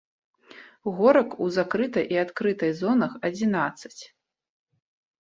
Горак у закрытай і адкрытай зонах адзінаццаць.